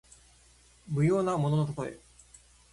無用なもののたとえ。